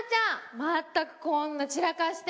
まったくこんな散らかして！